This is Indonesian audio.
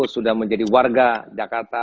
sudah menjadi warga jakarta